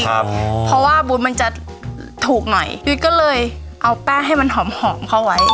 เพราะว่าบูธมันจะถูกหน่อยยุ้ยก็เลยเอาแป้งให้มันหอมหอมเข้าไว้